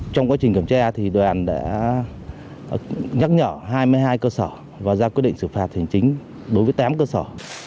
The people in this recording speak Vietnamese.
trong quá trình kiểm tra đoàn đã nhắc nhở hai mươi hai cơ sở và ra quyết định xử phạt hành chính đối với tám cơ sở